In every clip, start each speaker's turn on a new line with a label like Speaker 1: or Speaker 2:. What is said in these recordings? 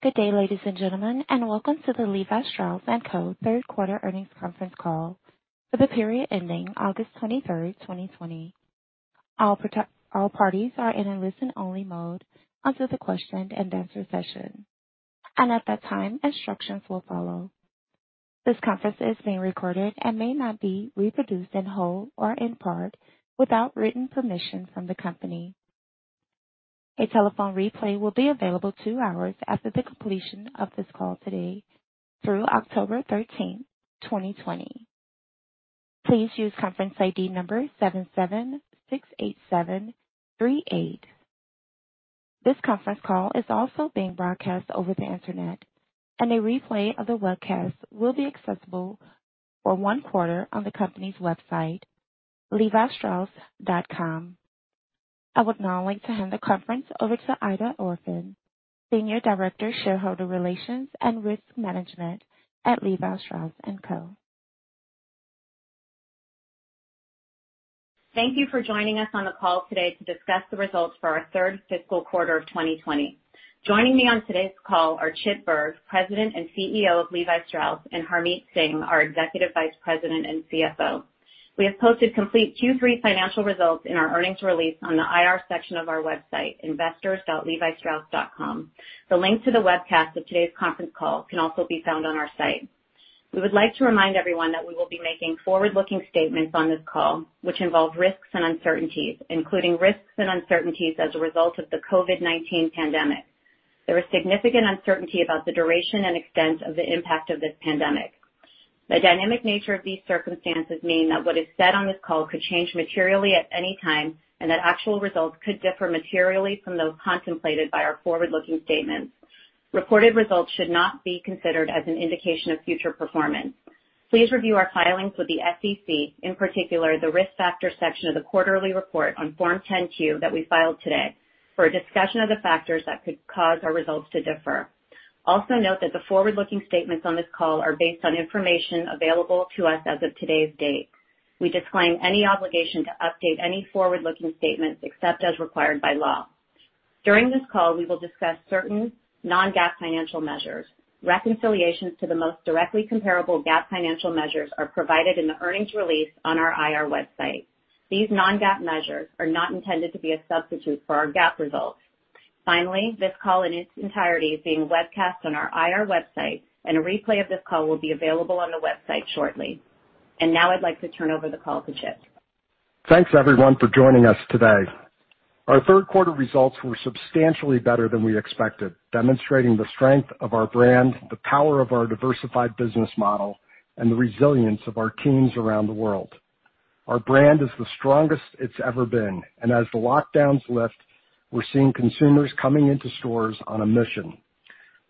Speaker 1: Good day, ladies and gentlemen, and welcome to the Levi Strauss & Co. third quarter earnings conference call for the period ending August 23rd, 2020. All parties are in a listen-only mode until the question-and-answer session. At that time, instructions will follow. This conference is being recorded and may not be reproduced in whole or in part without written permission from the company. A telephone replay will be available two hours after the completion of this call today through October 13th, 2020. Please use conference ID number 7768738. This conference call is also being broadcast over the internet, and a replay of the webcast will be accessible for one quarter on the company's website, levistrauss.com. I would now like to hand the conference over to Aida Orphan, Senior Director, Shareholder Relations and Risk Management at Levi Strauss & Co.
Speaker 2: Thank you for joining us on the call today to discuss the results for our third fiscal quarter of 2020. Joining me on today's call are Chip Bergh, President and CEO of Levi Strauss, and Harmit Singh, our Executive Vice President and CFO. We have posted complete Q3 financial results in our earnings release on the IR section of our website, investors.levistrauss.com. The link to the webcast of today's conference call can also be found on our site. We would like to remind everyone that we will be making forward-looking statements on this call, which involve risks and uncertainties, including risks and uncertainties as a result of the COVID-19 pandemic. There is significant uncertainty about the duration and extent of the impact of this pandemic. The dynamic nature of these circumstances mean that what is said on this call could change materially at any time, and that actual results could differ materially from those contemplated by our forward-looking statements. Reported results should not be considered as an indication of future performance. Please review our filings with the SEC, in particular, the Risk Factor section of the quarterly report on Form 10-Q that we filed today, for a discussion of the factors that could cause our results to differ. Also note that the forward-looking statements on this call are based on information available to us as of today's date. We disclaim any obligation to update any forward-looking statements except as required by law. During this call, we will discuss certain non-GAAP financial measures. Reconciliations to the most directly comparable GAAP financial measures are provided in the earnings release on our IR website. These non-GAAP measures are not intended to be a substitute for our GAAP results. This call in its entirety is being webcast on our IR website, and a replay of this call will be available on the website shortly. I'd like to turn over the call to Chip.
Speaker 3: Thanks, everyone, for joining us today. Our third quarter results were substantially better than we expected, demonstrating the strength of our brand, the power of our diversified business model, and the resilience of our teams around the world. Our brand is the strongest it's ever been, and as the lockdowns lift, we're seeing consumers coming into stores on a mission.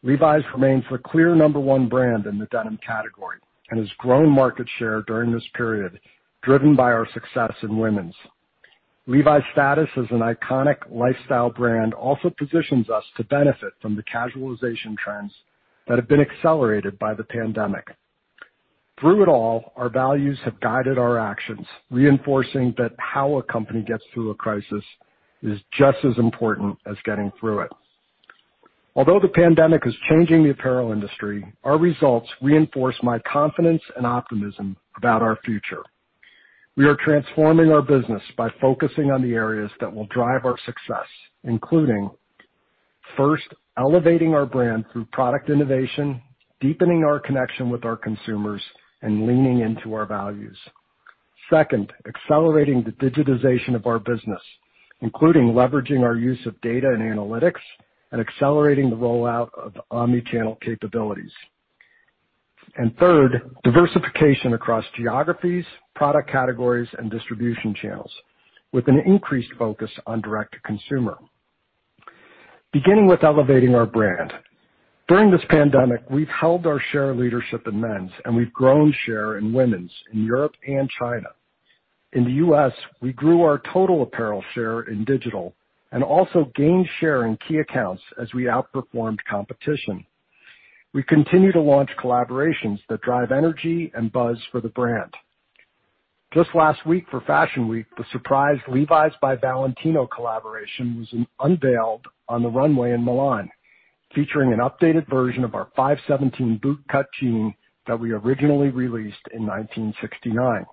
Speaker 3: Levi's remains the clear number one brand in the denim category and has grown market share during this period, driven by our success in women's. Levi's status as an iconic lifestyle brand also positions us to benefit from the casualization trends that have been accelerated by the pandemic. Through it all, our values have guided our actions, reinforcing that how a company gets through a crisis is just as important as getting through it. Although the pandemic is changing the apparel industry, our results reinforce my confidence and optimism about our future. We are transforming our business by focusing on the areas that will drive our success, including, first, elevating our brand through product innovation, deepening our connection with our consumers, and leaning into our values. Second, accelerating the digitization of our business, including leveraging our use of data and analytics and accelerating the rollout of omni-channel capabilities. Third, diversification across geographies, product categories, and distribution channels with an increased focus on direct-to-consumer. Beginning with elevating our brand. During this pandemic, we've held our share leadership in men's, and we've grown share in women's in Europe and China. In the U.S., we grew our total apparel share in digital and also gained share in key accounts as we outperformed competition. We continue to launch collaborations that drive energy and buzz for the brand. Just last week for Fashion Week, the surprise Levi's by Valentino collaboration was unveiled on the runway in Milan, featuring an updated version of our 517 Bootcut jean that we originally released in 1969.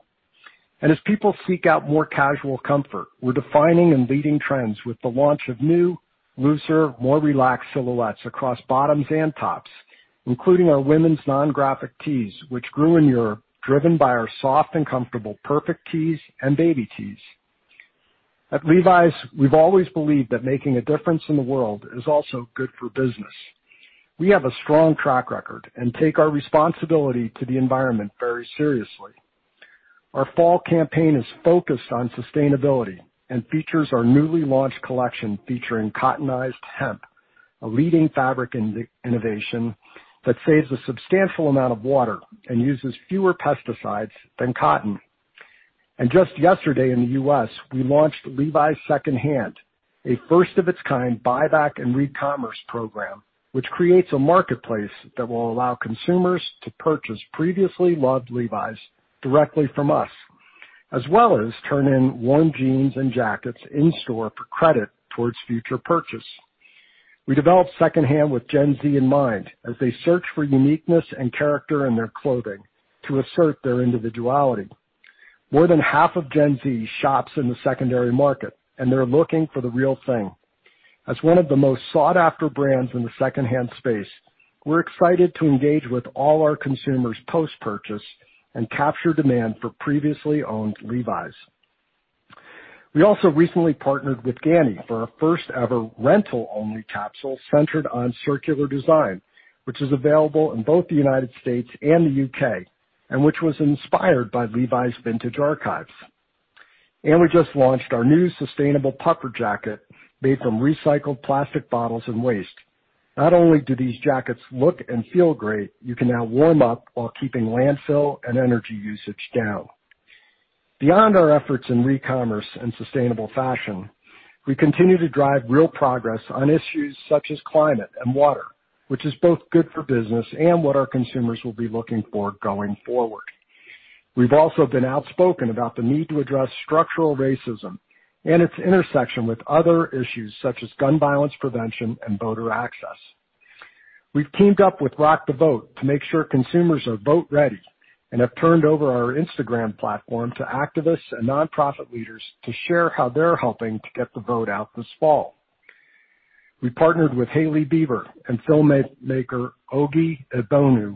Speaker 3: As people seek out more casual comfort, we're defining and leading trends with the launch of new, looser, more relaxed silhouettes across bottoms and tops, including our women's non-graphic tees, which grew in Europe, driven by our soft and comfortable Perfect Tees and Baby Tees. At Levi's, we've always believed that making a difference in the world is also good for business. We have a strong track record and take our responsibility to the environment very seriously. Our fall campaign is focused on sustainability and features our newly launched collection featuring Cottonized Hemp, a leading fabric innovation that saves a substantial amount of water and uses fewer pesticides than cotton. Just yesterday in the U.S., we launched Levi's SecondHand, a first of its kind buyback and recommerce program, which creates a marketplace that will allow consumers to purchase previously loved Levi's directly from us. As well as turn in worn jeans and jackets in-store for credit towards future purchase. We developed secondhand with Gen Z in mind as they search for uniqueness and character in their clothing to assert their individuality. More than half of Gen Z shops in the secondary market, and they're looking for the real thing. As one of the most sought-after brands in the secondhand space, we're excited to engage with all our consumers post-purchase and capture demand for previously owned Levi's. We also recently partnered with GANNI for our first ever rental-only capsule centered on circular design, which is available in both the U.S. and the U.K., which was inspired by Levi's vintage archives. We just launched our new sustainable puffer jacket made from recycled plastic bottles and waste. Not only do these jackets look and feel great, you can now warm up while keeping landfill and energy usage down. Beyond our efforts in re-commerce and sustainable fashion, we continue to drive real progress on issues such as climate and water, which is both good for business and what our consumers will be looking for going forward. We've also been outspoken about the need to address structural racism and its intersection with other issues such as gun violence prevention and voter access. We've teamed up with Rock the Vote to make sure consumers are vote ready and have turned over our Instagram platform to activists and nonprofit leaders to share how they're helping to get the vote out this fall. We partnered with Hailey Bieber and filmmaker Oge Egbuonu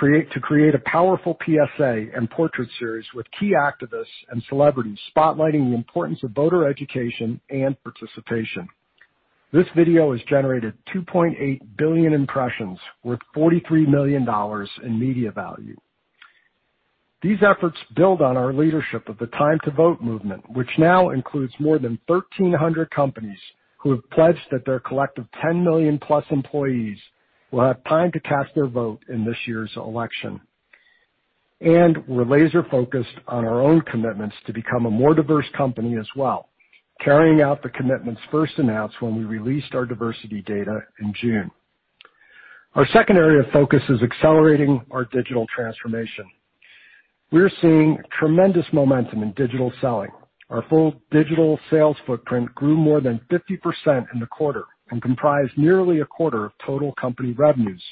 Speaker 3: to create a powerful PSA and portrait series with key activists and celebrities spotlighting the importance of voter education and participation. This video has generated 2.8 billion impressions worth $43 million in media value. These efforts build on our leadership of the Time to Vote movement, which now includes more than 1,300 companies who have pledged that their collective 10 million plus employees will have time to cast their vote in this year's election. We're laser focused on our own commitments to become a more diverse company as well, carrying out the commitments first announced when we released our diversity data in June. Our second area of focus is accelerating our digital transformation. We're seeing tremendous momentum in digital selling. Our full digital sales footprint grew more than 50% in the quarter and comprised nearly a quarter of total company revenues.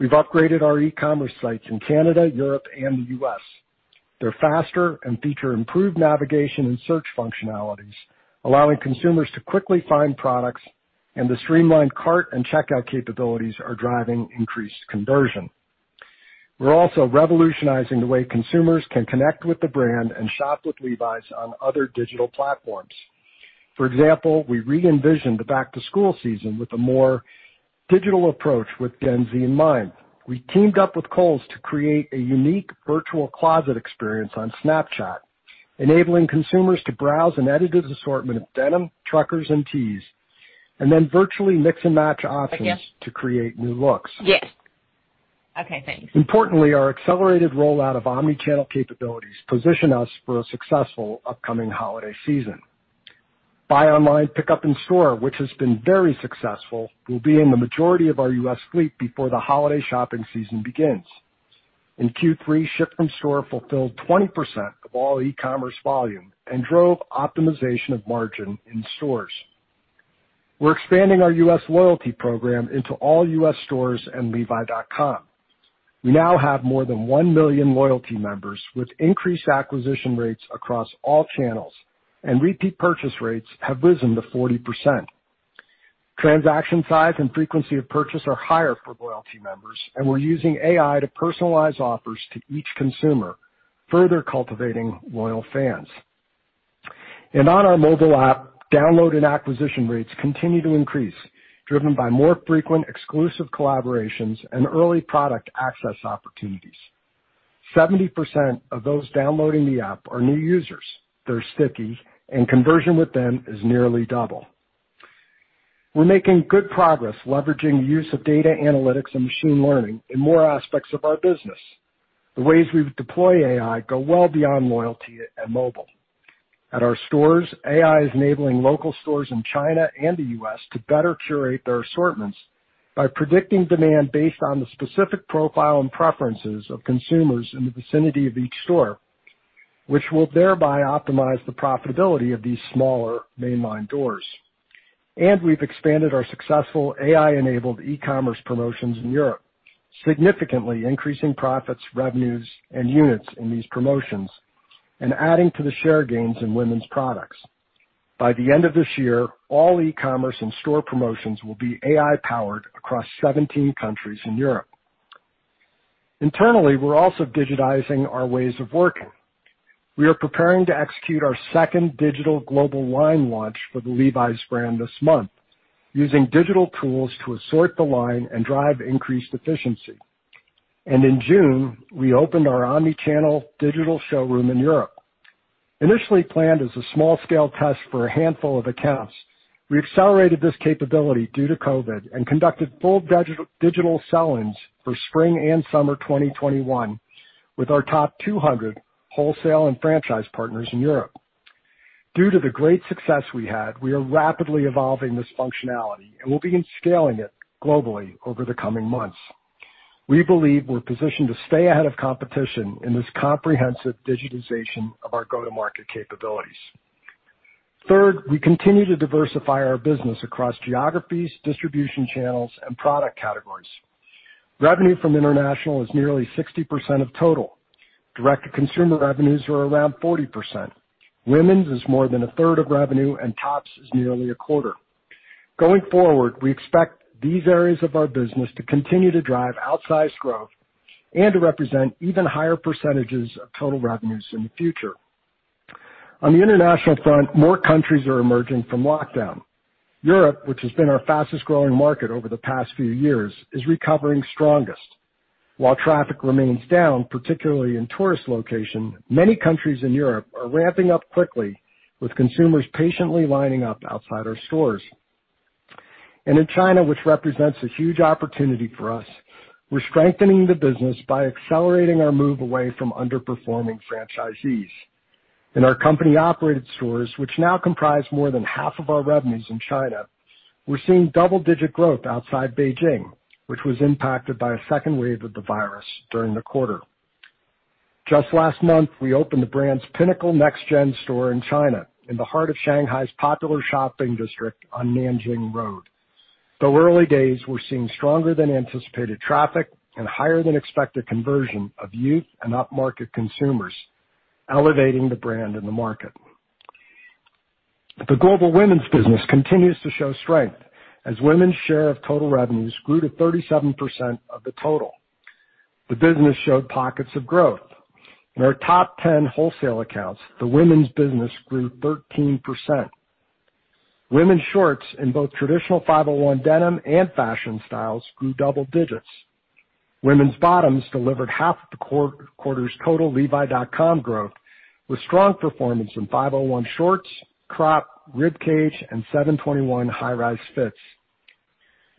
Speaker 3: We've upgraded our e-commerce sites in Canada, Europe, and the U.S. They're faster and feature improved navigation and search functionalities, allowing consumers to quickly find products, and the streamlined cart and checkout capabilities are driving increased conversion. We're also revolutionizing the way consumers can connect with the brand and shop with Levi's on other digital platforms. For example, we re-envisioned the back-to-school season with a more digital approach with Gen Z in mind. We teamed up with Kohl's to create a unique virtual closet experience on Snapchat, enabling consumers to browse an edited assortment of denim, truckers, and tees, and then virtually mix and match options to create new looks.
Speaker 2: Yes. Okay, thanks.
Speaker 3: Our accelerated rollout of omni-channel capabilities position us for a successful upcoming holiday season. Buy online, pick up in store, which has been very successful, will be in the majority of our U.S. fleet before the holiday shopping season begins. In Q3, ship from store fulfilled 20% of all e-commerce volume and drove optimization of margin in stores. We're expanding our U.S. loyalty program into all U.S. stores and levi.com. We now have more than 1 million loyalty members with increased acquisition rates across all channels, repeat purchase rates have risen to 40%. Transaction size and frequency of purchase are higher for loyalty members, we're using AI to personalize offers to each consumer, further cultivating loyal fans. On our mobile app, download and acquisition rates continue to increase, driven by more frequent exclusive collaborations and early product access opportunities. 70% of those downloading the app are new users. They're sticky, conversion with them is nearly double. We're making good progress leveraging use of data analytics and machine learning in more aspects of our business. The ways we deploy AI go well beyond loyalty and mobile. At our stores, AI is enabling local stores in China and the U.S. to better curate their assortments by predicting demand based on the specific profile and preferences of consumers in the vicinity of each store, which will thereby optimize the profitability of these smaller mainline doors. We've expanded our successful AI-enabled e-commerce promotions in Europe, significantly increasing profits, revenues, and units in these promotions, and adding to the share gains in women's products. By the end of this year, all e-commerce and store promotions will be AI powered across 17 countries in Europe. Internally, we're also digitizing our ways of working. We are preparing to execute our second digital global line launch for the Levi's brand this month, using digital tools to assort the line and drive increased efficiency. In June, we opened our omni-channel digital showroom in Europe. Initially planned as a small-scale test for a handful of accounts, we accelerated this capability due to COVID and conducted full digital sell-ins for spring and summer 2021 with our top 200 wholesale and franchise partners in Europe. Due to the great success we had, we are rapidly evolving this functionality, and we'll begin scaling it globally over the coming months. We believe we're positioned to stay ahead of competition in this comprehensive digitization of our go-to-market capabilities. Third, we continue to diversify our business across geographies, distribution channels, and product categories. Revenue from international is nearly 60% of total. Direct-to-consumer revenues are around 40%. Women's is more than a third of revenue, and tops is nearly a quarter. Going forward, we expect these areas of our business to continue to drive outsized growth and to represent even higher percentages of total revenues in the future. On the international front, more countries are emerging from lockdown. Europe, which has been our fastest-growing market over the past few years, is recovering strongest. While traffic remains down, particularly in tourist location, many countries in Europe are ramping up quickly, with consumers patiently lining up outside our stores. In China, which represents a huge opportunity for us, we're strengthening the business by accelerating our move away from underperforming franchisees. In our company-operated stores, which now comprise more than half of our revenues in China, we're seeing double-digit growth outside Beijing, which was impacted by a second wave of the virus during the quarter. Just last month, we opened the brand's pinnacle next gen store in China, in the heart of Shanghai's popular shopping district on Nanjing Road. Though early days, we're seeing stronger than anticipated traffic and higher than expected conversion of youth and upmarket consumers, elevating the brand in the market. The global women's business continues to show strength, as women's share of total revenues grew to 37% of the total. The business showed pockets of growth. In our top 10 wholesale accounts, the women's business grew 13%. Women's shorts, in both traditional 501 denim and fashion styles, grew double digits. Women's bottoms delivered half of the quarter's total levi.com growth, with strong performance from 501 shorts, crop, Ribcage, and 721 High Rise fits.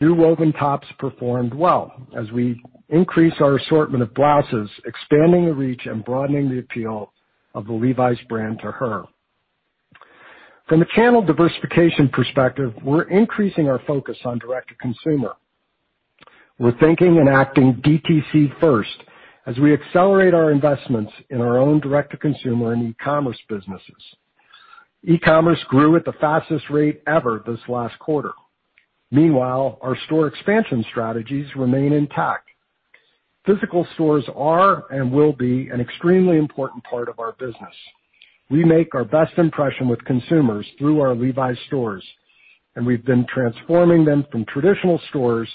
Speaker 3: New woven tops performed well as we increase our assortment of blouses, expanding the reach and broadening the appeal of the Levi's brand to her. From a channel diversification perspective, we're increasing our focus on direct-to-consumer. We're thinking and acting DTC first as we accelerate our investments in our own direct-to-consumer and e-commerce businesses. E-commerce grew at the fastest rate ever this last quarter. Meanwhile, our store expansion strategies remain intact. Physical stores are and will be an extremely important part of our business. We make our best impression with consumers through our Levi's stores, and we've been transforming them from traditional stores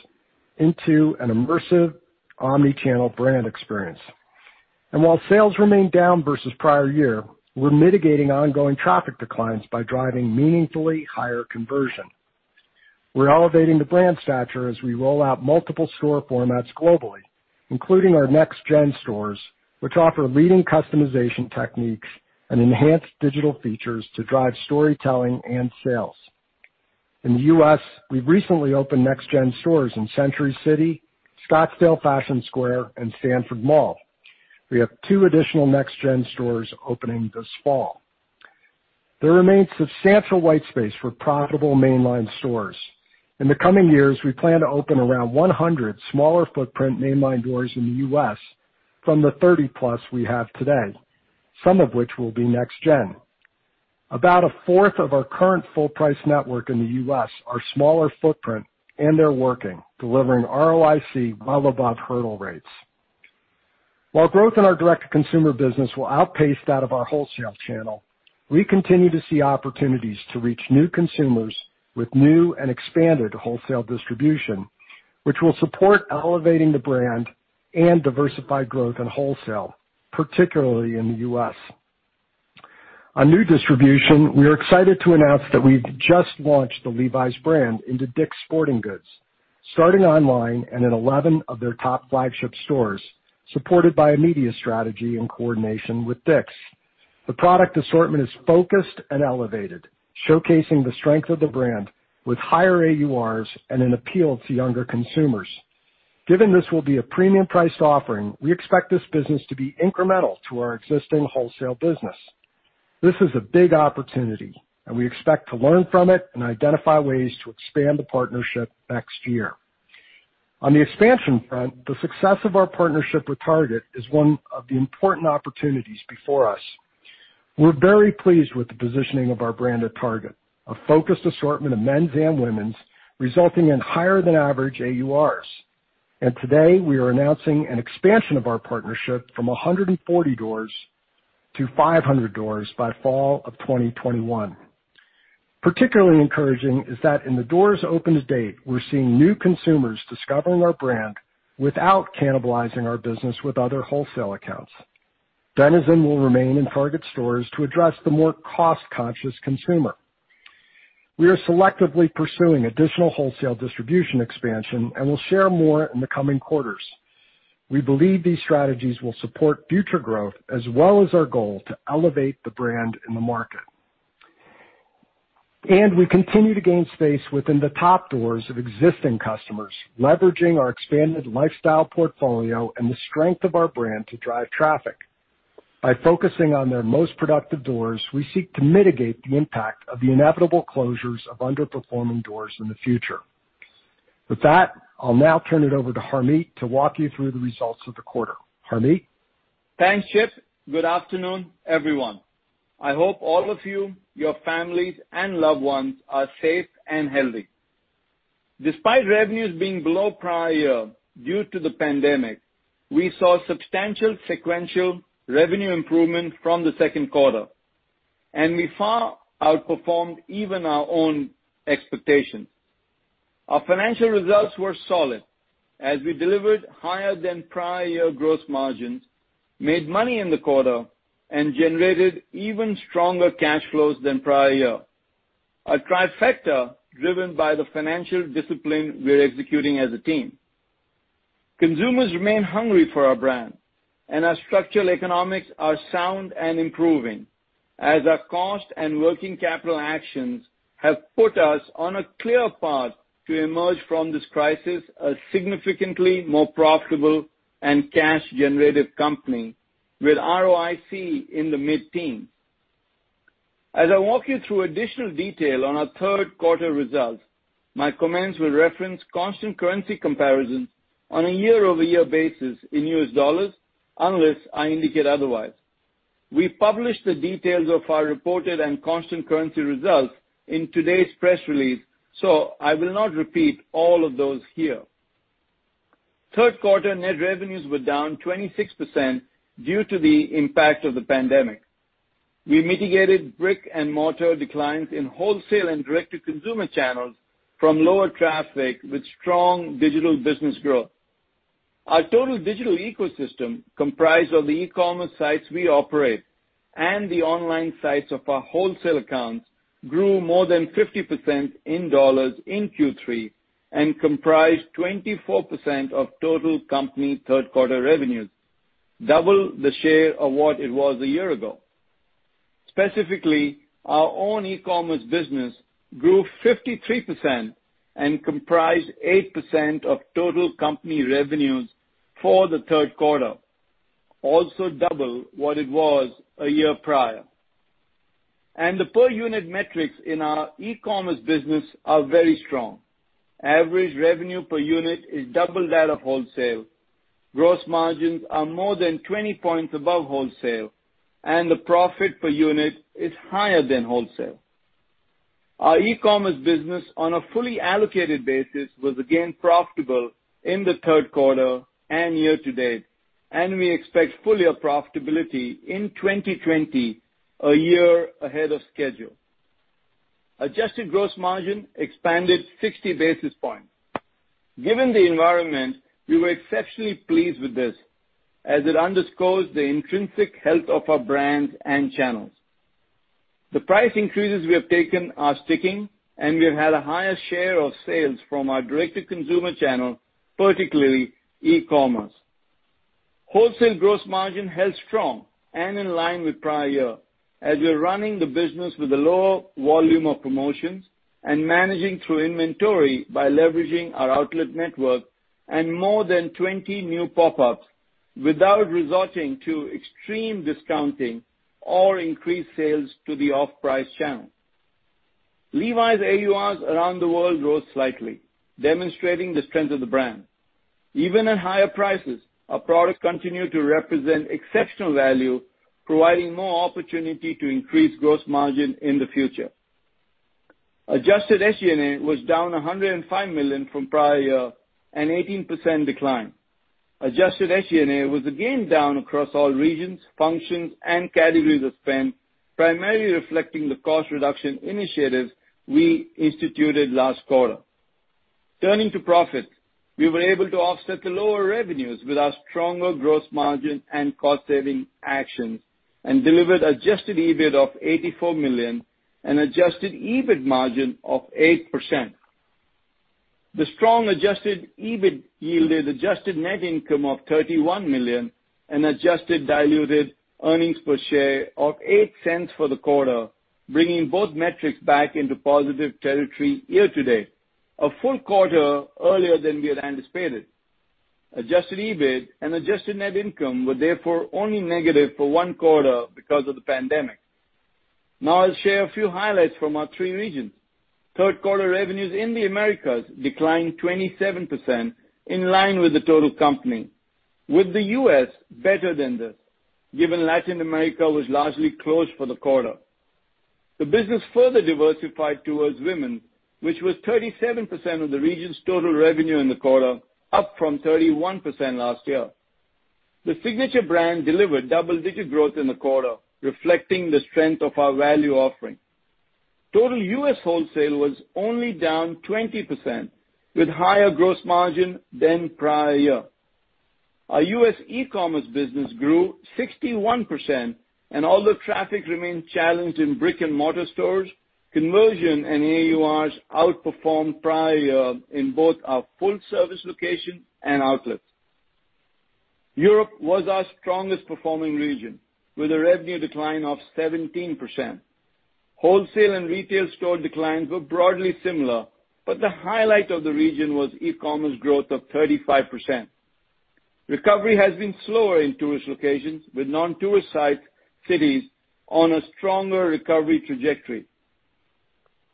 Speaker 3: into an immersive omni-channel brand experience. While sales remain down versus prior year, we're mitigating ongoing traffic declines by driving meaningfully higher conversion. We're elevating the brand stature as we roll out multiple store formats globally, including our NextGen stores, which offer leading customization techniques and enhanced digital features to drive storytelling and sales. In the U.S., we've recently opened next gen stores in Century City, Scottsdale Fashion Square, and Stanford Shopping Center. We have two additional next gen stores opening this fall. There remains substantial white space for profitable mainline stores. In the coming years, we plan to open around 100 smaller footprint mainline doors in the U.S. from the 30+ we have today, some of which will be next gen. About a fourth of our current full price network in the U.S. are smaller footprint, and they're working, delivering ROIC well above hurdle rates. While growth in our direct to consumer business will outpace that of our wholesale channel, we continue to see opportunities to reach new consumers with new and expanded wholesale distribution, which will support elevating the brand and diversify growth in wholesale, particularly in the U.S. On new distribution, we are excited to announce that we've just launched the Levi's brand into Dick's Sporting Goods, starting online and in 11 of their top flagship stores, supported by a media strategy in coordination with Dick's. The product assortment is focused and elevated, showcasing the strength of the brand with higher AURs and an appeal to younger consumers. Given this will be a premium priced offering, we expect this business to be incremental to our existing wholesale business. This is a big opportunity, and we expect to learn from it and identify ways to expand the partnership next year. On the expansion front, the success of our partnership with Target is one of the important opportunities before us. We're very pleased with the positioning of our brand at Target. A focused assortment of men's and women's, resulting in higher than average AURs. Today, we are announcing an expansion of our partnership from 140 doors to 500 doors by fall of 2021. Particularly encouraging is that in the doors open to date, we're seeing new consumers discovering our brand without cannibalizing our business with other wholesale accounts. Denizen will remain in Target stores to address the more cost-conscious consumer. We are selectively pursuing additional wholesale distribution expansion and will share more in the coming quarters. We believe these strategies will support future growth as well as our goal to elevate the brand in the market. We continue to gain space within the top doors of existing customers, leveraging our expanded lifestyle portfolio and the strength of our brand to drive traffic. By focusing on their most productive doors, we seek to mitigate the impact of the inevitable closures of underperforming doors in the future. With that, I'll now turn it over to Harmit to walk you through the results of the quarter. Harmit?
Speaker 4: Thanks, Chip. Good afternoon, everyone. I hope all of you, your families, and loved ones are safe and healthy. Despite revenues being below prior year due to the pandemic, we saw substantial sequential revenue improvement from the second quarter, and we far outperformed even our own expectations. Our financial results were solid as we delivered higher than prior year growth margins, made money in the quarter, and generated even stronger cash flows than prior year. A trifecta driven by the financial discipline we're executing as a team. Consumers remain hungry for our brand, and our structural economics are sound and improving as our cost and working capital actions have put us on a clear path to emerge from this crisis a significantly more profitable and cash-generative company with ROIC in the mid-teens. As I walk you through additional detail on our third quarter results, my comments will reference constant currency comparisons on a year-over-year basis in U.S. dollars, unless I indicate otherwise. We published the details of our reported and constant currency results in today's press release. I will not repeat all of those here. Third quarter net revenues were down 26% due to the impact of the pandemic. We mitigated brick-and-mortar declines in wholesale and direct-to-consumer channels from lower traffic with strong digital business growth. Our total digital ecosystem, comprised of the e-commerce sites we operate and the online sites of our wholesale accounts, grew more than 50% in dollars in Q3 and comprised 24% of total company third-quarter revenues, double the share of what it was a year ago. Specifically, our own e-commerce business grew 53% and comprised 8% of total company revenues for the third quarter, also double what it was a year prior. The per-unit metrics in our e-commerce business are very strong. Average revenue per unit is double that of wholesale. Gross margins are more than 20 points above wholesale, and the profit per unit is higher than wholesale. Our e-commerce business on a fully allocated basis was again profitable in the third quarter and year to date, and we expect full-year profitability in 2020, a year ahead of schedule. Adjusted gross margin expanded 60 basis points. Given the environment, we were exceptionally pleased with this, as it underscores the intrinsic health of our brands and channels. The price increases we have taken are sticking, and we have had a higher share of sales from our Direct-to-Consumer channel, particularly e-commerce. Wholesale gross margin held strong and in line with prior year, as we are running the business with a lower volume of promotions and managing through inventory by leveraging our outlet network and more than 20 new pop-ups without resorting to extreme discounting or increased sales to the off-price channel. Levi's AURs around the world rose slightly, demonstrating the strength of the brand. Even at higher prices, our products continue to represent exceptional value, providing more opportunity to increase gross margin in the future. Adjusted SG&A was down $105 million from prior year, an 18% decline. Adjusted SG&A was again down across all regions, functions, and categories of spend, primarily reflecting the cost reduction initiatives we instituted last quarter. Turning to profit, we were able to offset the lower revenues with our stronger gross margin and cost-saving actions and delivered adjusted EBIT of $84 million and adjusted EBIT margin of 8%. The strong adjusted EBIT yielded adjusted net income of $31 million and adjusted diluted earnings per share of $0.08 for the quarter, bringing both metrics back into positive territory year to date, a full quarter earlier than we had anticipated. Adjusted EBIT and adjusted net income were therefore only negative for one quarter because of the pandemic. Now I'll share a few highlights from our three regions. Third quarter revenues in the Americas declined 27%, in line with the total company, with the U.S. better than this, given Latin America was largely closed for the quarter. The business further diversified towards women, which was 37% of the region's total revenue in the quarter, up from 31% last year. The Signature brand delivered double-digit growth in the quarter, reflecting the strength of our value offering. Total US wholesale was only down 20%, with higher gross margin than prior year. Our US e-commerce business grew 61%, although traffic remained challenged in brick-and-mortar stores, conversion and AURs outperformed prior year in both our full-service locations and outlets. Europe was our strongest performing region, with a revenue decline of 17%. Wholesale and retail store declines were broadly similar, but the highlight of the region was e-commerce growth of 35%. Recovery has been slower in tourist locations, with non-tourist site cities on a stronger recovery trajectory.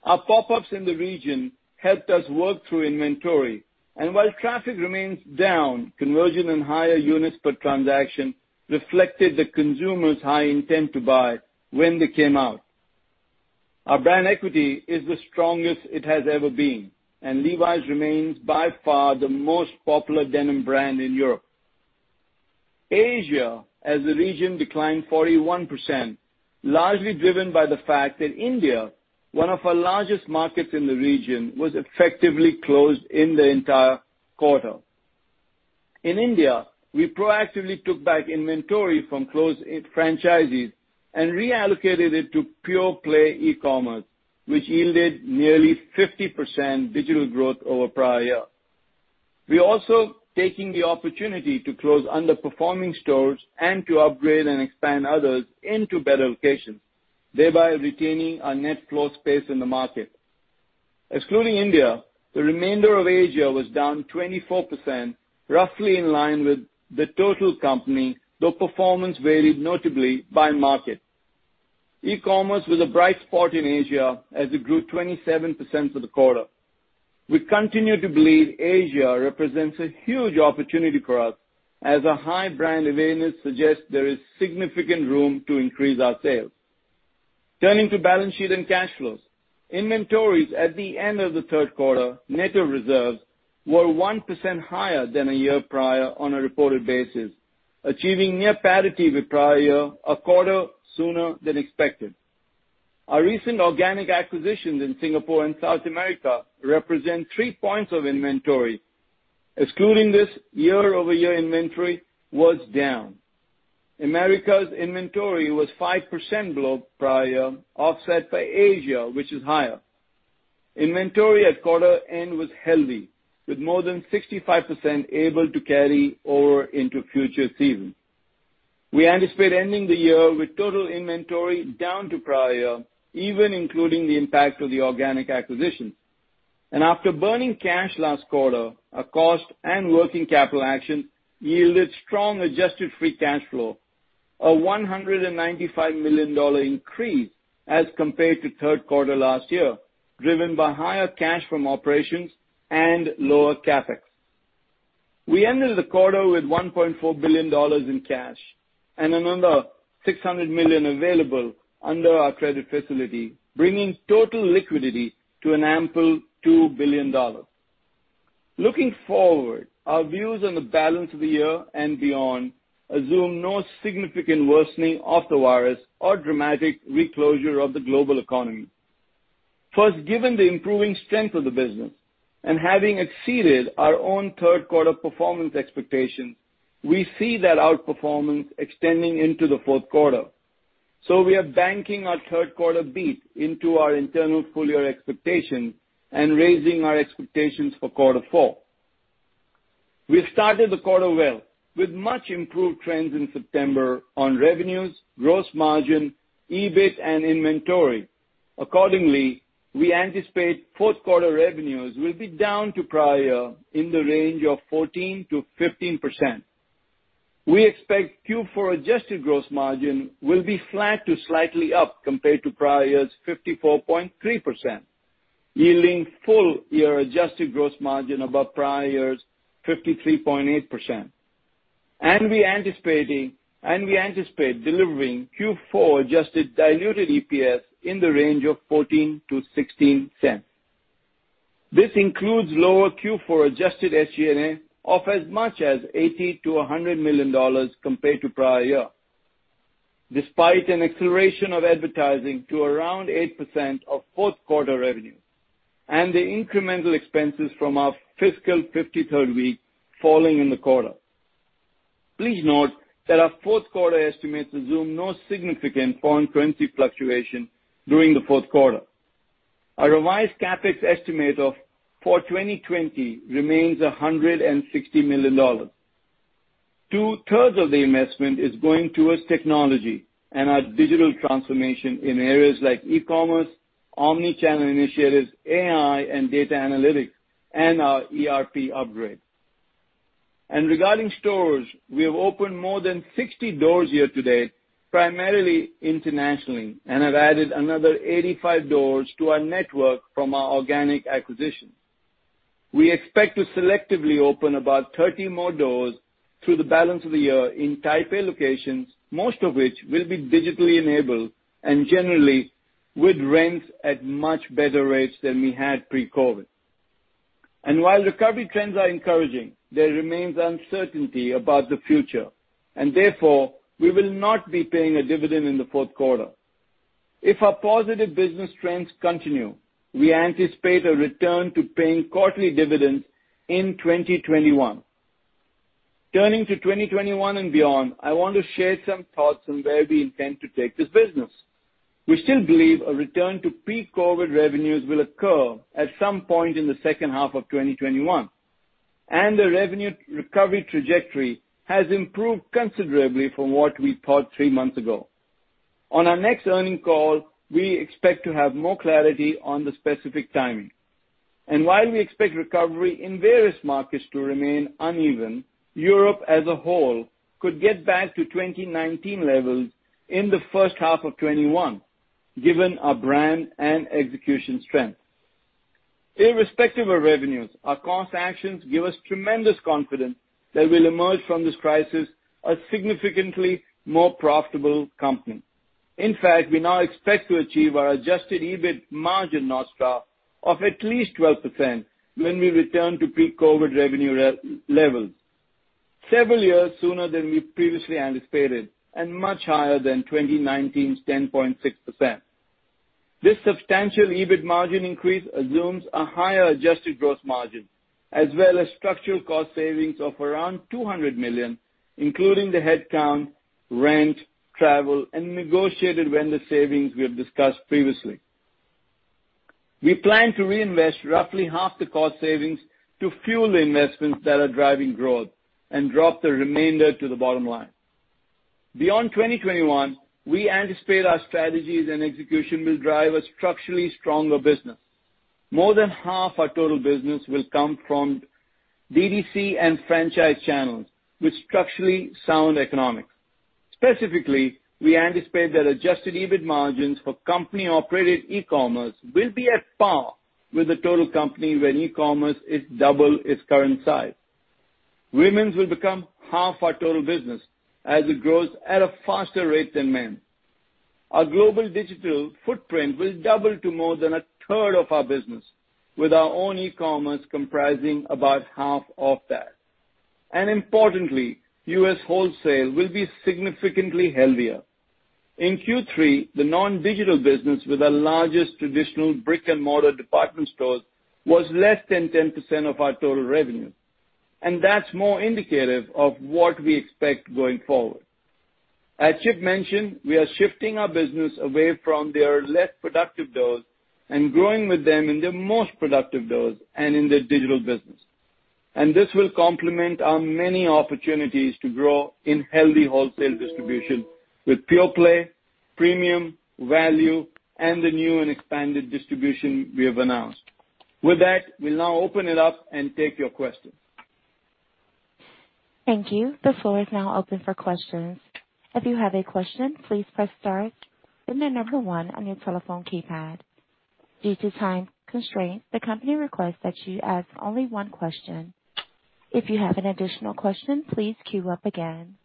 Speaker 4: Our pop-ups in the region helped us work through inventory, and while traffic remains down, conversion and higher units per transaction reflected the consumers' high intent to buy when they came out. Our brand equity is the strongest it has ever been. Levi's remains by far the most popular denim brand in Europe. Asia as a region declined 41%, largely driven by the fact that India, one of our largest markets in the region, was effectively closed in the entire quarter. In India, we proactively took back inventory from closed franchises and reallocated it to pure-play e-commerce, which yielded nearly 50% digital growth over prior year. We're also taking the opportunity to close underperforming stores and to upgrade and expand others into better locations, thereby retaining our net floor space in the market. Excluding India, the remainder of Asia was down 24%, roughly in line with the total company, though performance varied notably by market. E-commerce was a bright spot in Asia as it grew 27% for the quarter. We continue to believe Asia represents a huge opportunity for us as a high brand awareness suggests there is significant room to increase our sales. Turning to balance sheet and cash flows. Inventories at the end of the third quarter, net of reserves, were 1% higher than a year prior on a reported basis, achieving near parity with prior year a quarter sooner than expected. Our recent organic acquisitions in Singapore and South America represent three points of inventory. Excluding this year-over-year, inventory was down. America's inventory was 5% below prior year, offset by Asia, which is higher. Inventory at quarter end was healthy, with more than 65% able to carry over into future seasons. We anticipate ending the year with total inventory down to prior year, even including the impact of the organic acquisitions. After burning cash last quarter, our cost and working capital action yielded strong adjusted free cash flow, a $195 million increase as compared to third quarter last year, driven by higher cash from operations and lower CapEx. We ended the quarter with $1.4 billion in cash and another $600 million available under our credit facility, bringing total liquidity to an ample $2 billion. Looking forward, our views on the balance of the year and beyond assume no significant worsening of the virus or dramatic reclosure of the global economy. First, given the improving strength of the business and having exceeded our own third quarter performance expectations, we see that outperformance extending into the fourth quarter. We are banking our third quarter beat into our internal full year expectation and raising our expectations for quarter four. We started the quarter well with much improved trends in September on revenues, gross margin, EBIT, and inventory. Accordingly, we anticipate fourth quarter revenues will be down to prior year in the range of 14%-15%. We expect Q4 adjusted gross margin will be flat to slightly up compared to prior year's 54.3%, yielding full year adjusted gross margin above prior year's 53.8%. We anticipate delivering Q4 adjusted diluted EPS in the range of $0.14-$0.16. This includes lower Q4 adjusted SG&A of as much as $80 million-$100 million compared to prior year. Despite an acceleration of advertising to around 8% of fourth quarter revenue and the incremental expenses from our fiscal 53rd week falling in the quarter. Please note that our fourth quarter estimates assume no significant foreign currency fluctuation during the fourth quarter. Our revised CapEx estimate for 2020 remains $160 million. Two-thirds of the investment is going towards technology and our digital transformation in areas like e-commerce, omni-channel initiatives, AI and data analytics, and our ERP upgrade. Regarding stores, we have opened more than 60 doors year to date, primarily internationally, and have added another 85 doors to our network from our organic acquisitions. We expect to selectively open about 30 more doors through the balance of the year in type A locations, most of which will be digitally enabled and generally with rents at much better rates than we had pre-COVID. While recovery trends are encouraging, there remains uncertainty about the future, and therefore, we will not be paying a dividend in the fourth quarter. If our positive business trends continue, we anticipate a return to paying quarterly dividends in 2021. Turning to 2021 and beyond, I want to share some thoughts on where we intend to take this business. We still believe a return to pre-COVID revenues will occur at some point in the second half of 2021, and the revenue recovery trajectory has improved considerably from what we thought three months ago. On our next earning call, we expect to have more clarity on the specific timing. While we expect recovery in various markets to remain uneven, Europe as a whole could get back to 2019 levels in the first half of 2021, given our brand and execution strength. Irrespective of revenues, our cost actions give us tremendous confidence that we'll emerge from this crisis a significantly more profitable company. We now expect to achieve our adjusted EBIT margin, North Star, of at least 12% when we return to pre-COVID revenue levels, several years sooner than we previously anticipated and much higher than 2019's 10.6%. This substantial EBIT margin increase assumes a higher adjusted gross margin as well as structural cost savings of around $200 million, including the headcount, rent, travel, and negotiated vendor savings we have discussed previously. We plan to reinvest roughly half the cost savings to fuel the investments that are driving growth and drop the remainder to the bottom line. Beyond 2021, we anticipate our strategies and execution will drive a structurally stronger business. More than half our total business will come from DTC and franchise channels with structurally sound economics. Specifically, we anticipate that adjusted EBIT margins for company-operated e-commerce will be at par with the total company when e-commerce is double its current size. Women's will become half our total business as it grows at a faster rate than men. Our global digital footprint will double to more than a third of our business, with our own e-commerce comprising about half of that. Importantly, U.S. wholesale will be significantly healthier. In Q3, the non-digital business with our largest traditional brick and mortar department stores was less than 10% of our total revenue, and that's more indicative of what we expect going forward. As Chip mentioned, we are shifting our business away from their less productive doors and growing with them in their most productive doors and in their digital business. This will complement our many opportunities to grow in healthy wholesale distribution with pure play, premium, value, and the new and expanded distribution we have announced. With that, we'll now open it up and take your questions.
Speaker 1: Thank you. The floor is now open for questions. If you have a question, please press star and then number one on your telephone keypad. Due to time constraint, the company requests that you ask only one question. If you have an additional question, please queue up again.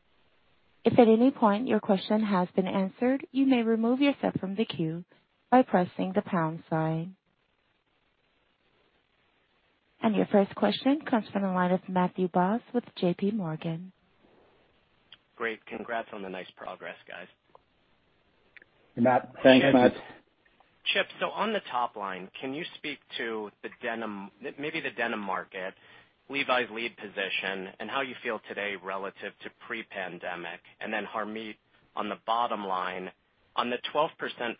Speaker 1: If at any point your question has been answered, you may remove yourself from the queue by pressing the pound sign. Your first question comes from the line of Matthew Boss with JPMorgan.
Speaker 5: Great. Congrats on the nice progress, guys.
Speaker 4: Hey, Matt.
Speaker 3: Thanks, Matt.
Speaker 5: Chip, on the top line, can you speak to maybe the denim market, Levi's lead position, and how you feel today relative to pre-pandemic? Harmit, on the bottom line, on the 12%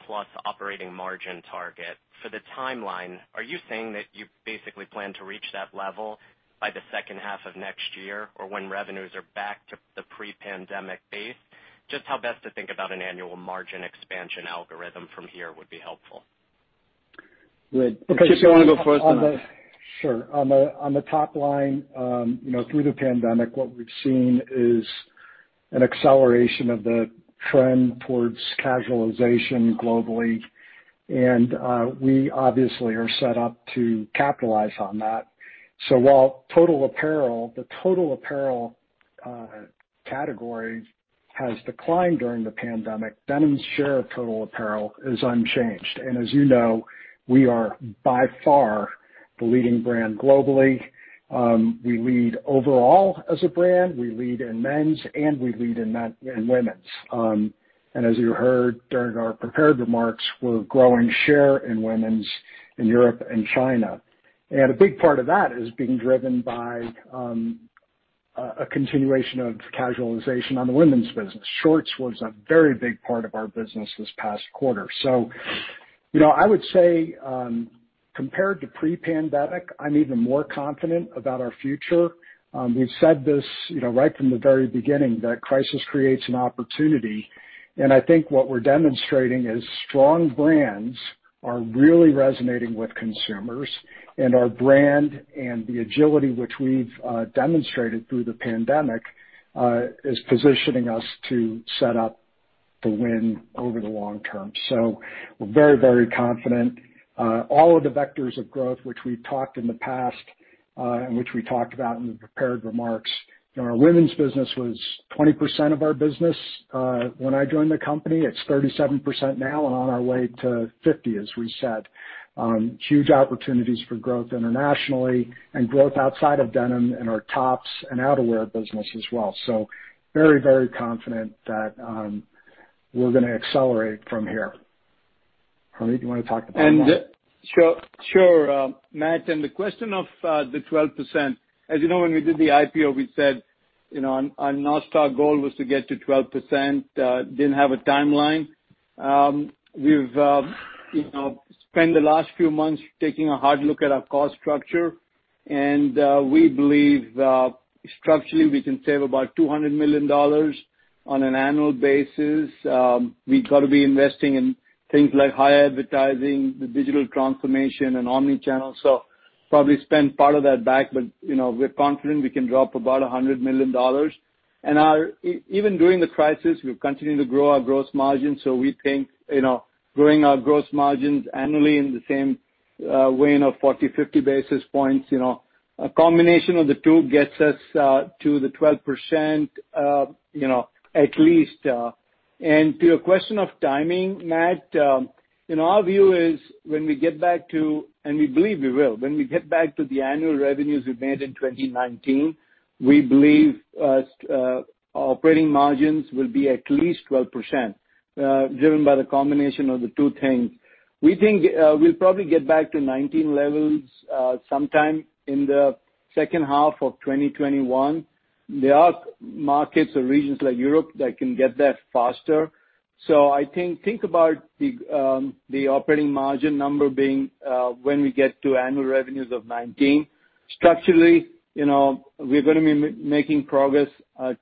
Speaker 5: plus operating margin target for the timeline, are you saying that you basically plan to reach that level by the second half of next year, or when revenues are back to the pre-pandemic base? Just how best to think about an annual margin expansion algorithm from here would be helpful.
Speaker 4: Good. Chip, do you want to go first on that?
Speaker 3: Sure. On the top line, through the pandemic, what we've seen is an acceleration of the trend towards casualization globally, we obviously are set up to capitalize on that. While the total apparel category has declined during the pandemic, denim's share of total apparel is unchanged. As you know, we are by far the leading brand globally. We lead overall as a brand, we lead in men's, and we lead in women's. As you heard during our prepared remarks, we're growing share in women's in Europe and China. A big part of that is being driven by a continuation of casualization on the women's business. Shorts was a very big part of our business this past quarter. I would say compared to pre-pandemic, I'm even more confident about our future. We've said this right from the very beginning that crisis creates an opportunity. I think what we're demonstrating is strong brands are really resonating with consumers, and our brand and the agility which we've demonstrated through the pandemic is positioning us to set up the win over the long term. We're very confident. All of the vectors of growth which we've talked in the past, and which we talked about in the prepared remarks. Our women's business was 20% of our business when I joined the company. It's 37% now and on our way to 50%, as we said. Huge opportunities for growth internationally and growth outside of denim in our tops and outerwear business as well. Very confident that we're going to accelerate from here. Harmit, do you want to talk about that?
Speaker 4: Sure, Matt. The question of the 12%. As you know, when we did the IPO, we said our North Star goal was to get to 12%, didn't have a timeline. We've spent the last few months taking a hard look at our cost structure, and we believe structurally we can save about $200 million on an annual basis. We've got to be investing in things like higher advertising, the digital transformation and omni-channel. Probably spend part of that back, but we're confident we can drop about $100 million. Even during the crisis, we've continued to grow our gross margin. We think growing our gross margins annually in the same vein of 40, 50 basis points. A combination of the two gets us to the 12%, at least. To your question of timing, Matt, our view is when we get back to, and we believe we will, when we get back to the annual revenues we made in 2019, we believe our operating margins will be at least 12%, driven by the combination of the two things. We think we'll probably get back to 2019 levels sometime in the second half of 2021. There are markets or regions like Europe that can get there faster. I think, about the operating margin number being when we get to annual revenues of 2019. Structurally, we're going to be making progress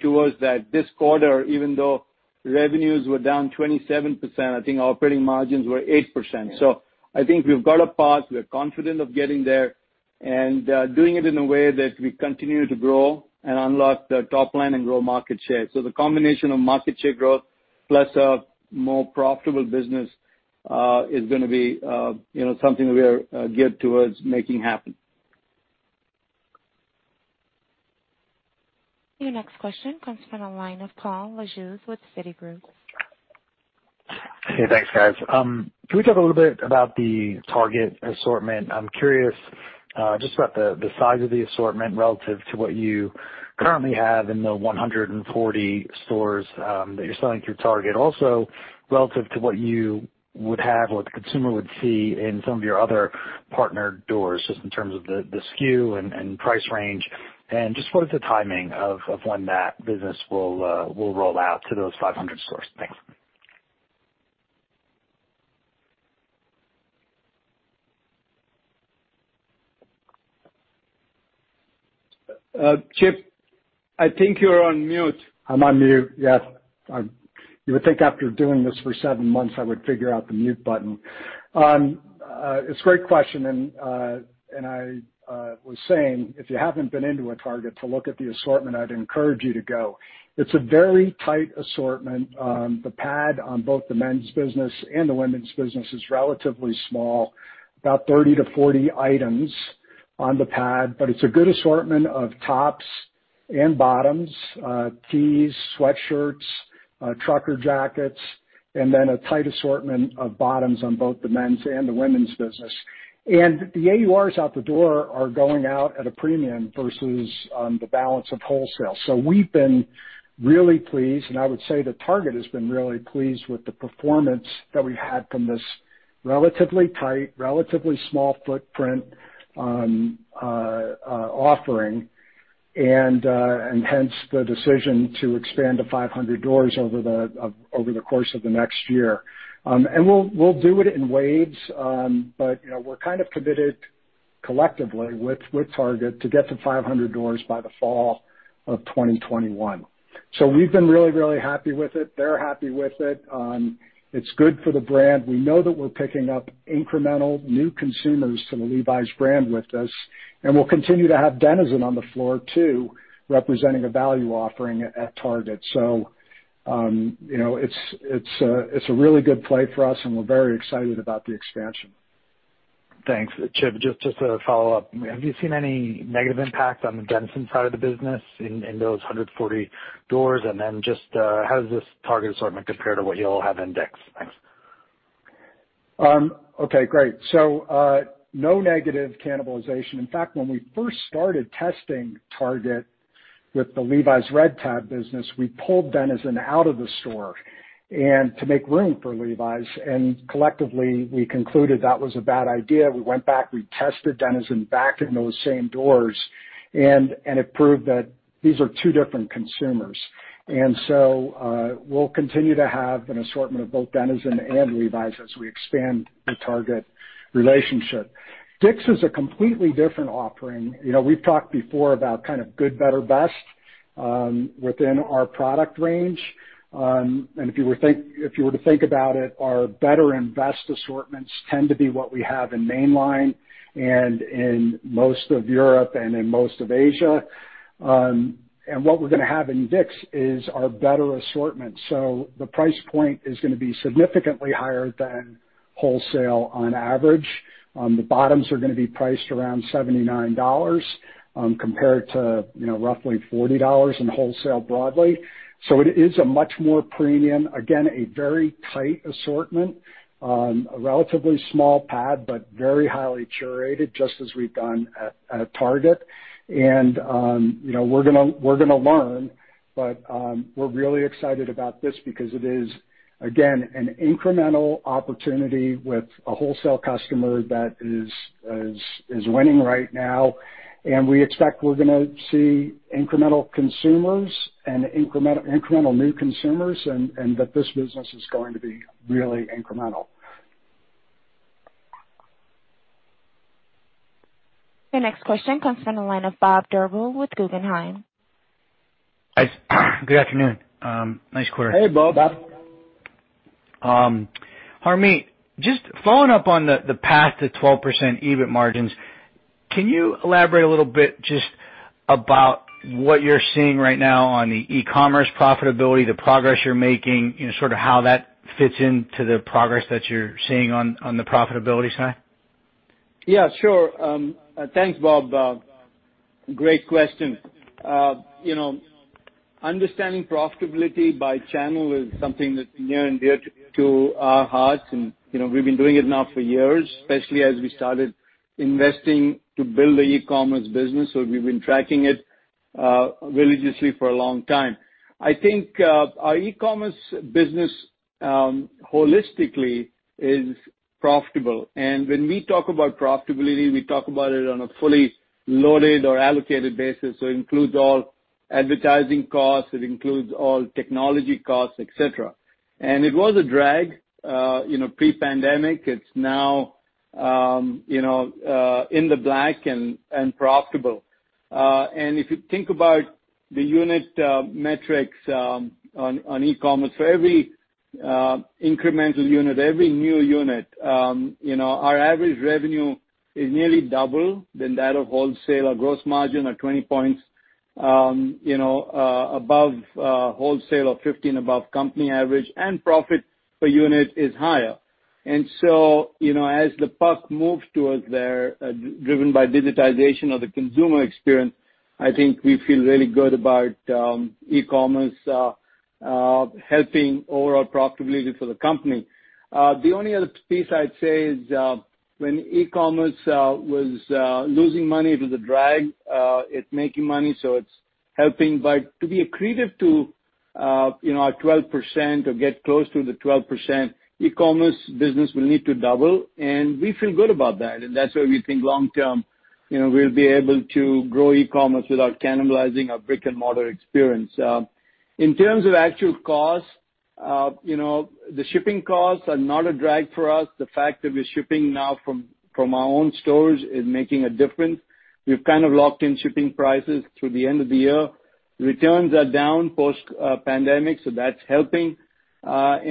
Speaker 4: towards that this quarter, even though revenues were down 27%, I think our operating margins were 8%. I think we've got a path. We're confident of getting there and doing it in a way that we continue to grow and unlock the top line and grow market share. The combination of market share growth plus a more profitable business is going to be something we are geared towards making happen.
Speaker 1: Your next question comes from the line of Paul Lejuez with Citigroup.
Speaker 6: Hey, thanks, guys. Can we talk a little bit about the Target assortment? I'm curious just about the size of the assortment relative to what you currently have in the 140 stores that you're selling through Target. Relative to what you would have or the consumer would see in some of your other partner doors, just in terms of the SKU and price range, and just what is the timing of when that business will roll out to those 500 stores? Thanks.
Speaker 4: Chip, I think you're on mute.
Speaker 3: I'm on mute. Yes. You would think after doing this for seven months, I would figure out the mute button. It's a great question. I was saying, if you haven't been into a Target to look at the assortment, I'd encourage you to go. It's a very tight assortment. The pad on both the men's business and the women's business is relatively small, about 30-40 items on the pad. It's a good assortment of tops and bottoms, tees, sweatshirts, trucker jackets, then a tight assortment of bottoms on both the men's and the women's business. The AURs out the door are going out at a premium versus the balance of wholesale. We've been really pleased, and I would say that Target has been really pleased with the performance that we had from this relatively tight, relatively small footprint offering. Hence the decision to expand to 500 doors over the course of the next year. We'll do it in waves, but we're kind of committed collectively with Target to get to 500 doors by the fall of 2021. We've been really happy with it. They're happy with it. It's good for the brand. We know that we're picking up incremental new consumers to the Levi's brand with us, and we'll continue to have Denizen on the floor too, representing a value offering at Target. It's a really good play for us, and we're very excited about the expansion.
Speaker 6: Thanks, Chip. Just a follow-up. Have you seen any negative impact on the Denizen side of the business in those 140 doors? Just how does this Target assortment compare to what you all have in Dick's? Thanks.
Speaker 3: Okay, great. No negative cannibalization. In fact, when we first started testing Target with the Levi's Red Tab business, we pulled Denizen out of the store to make room for Levi's, and collectively, we concluded that was a bad idea. We went back, we tested Denizen back in those same doors, and it proved that these are two different consumers. We'll continue to have an assortment of both Denizen and Levi's as we expand the Target relationship. Dick's is a completely different offering. We've talked before about kind of good, better, best within our product range. If you were to think about it, our better and best assortments tend to be what we have in mainline and in most of Europe and in most of Asia. What we're going to have in Dick's is our better assortment. The price point is going to be significantly higher than wholesale on average. The bottoms are going to be priced around $79 compared to roughly $40 in wholesale broadly. It is a much more premium, again, a very tight assortment, a relatively small pad, but very highly curated, just as we've done at Target. We're going to learn, but we're really excited about this because it is, again, an incremental opportunity with a wholesale customer that is winning right now. We expect we're going to see incremental consumers and incremental new consumers, and that this business is going to be really incremental.
Speaker 1: Your next question comes from the line of Bob Drbul with Guggenheim.
Speaker 7: Guys, good afternoon. Nice quarter.
Speaker 4: Hey, Bob.
Speaker 3: Bob.
Speaker 7: Harmit, just following up on the path to 12% EBIT margins, can you elaborate a little bit just about what you're seeing right now on the e-commerce profitability, the progress you're making, how that fits into the progress that you're seeing on the profitability side?
Speaker 4: Yeah, sure. Thanks, Bob. Great question. Understanding profitability by channel is something that's near and dear to our hearts, and we've been doing it now for years, especially as we started investing to build the e-commerce business. We've been tracking it religiously for a long time. I think our e-commerce business, holistically, is profitable. When we talk about profitability, we talk about it on a fully loaded or allocated basis, so it includes all advertising costs, it includes all technology costs, et cetera. It was a drag pre-pandemic. It's now in the black and profitable. If you think about the unit metrics on e-commerce, for every incremental unit, every new unit, our average revenue is nearly double than that of wholesale. Our gross margin of 20 points above wholesale of 15 above company average and profit per unit is higher. As the puck moves towards there, driven by digitization of the consumer experience, I think we feel really good about e-commerce helping overall profitability for the company. The only other piece I'd say is, when e-commerce was losing money, it was a drag. It's making money, so it's helping. To be accretive to our 12% or get close to the 12%, e-commerce business will need to double, and we feel good about that. That's where we think long term, we'll be able to grow e-commerce without cannibalizing our brick-and-mortar experience. In terms of actual cost, the shipping costs are not a drag for us. The fact that we're shipping now from our own stores is making a difference. We've kind of locked in shipping prices through the end of the year. Returns are down post-pandemic, so that's helping. Our